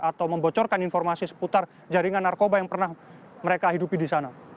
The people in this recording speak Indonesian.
atau membocorkan informasi seputar jaringan narkoba yang pernah mereka hidupi di sana